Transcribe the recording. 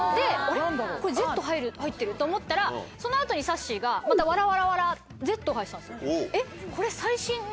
これ「ｚ入ってる」と思ったらその後にさっしーがまた「ｗｗｗ」「ｚ」が入ってたんですよ。